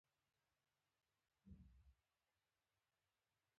پلورنځی باید د پیرودونکو رضایت ته اهمیت ورکړي.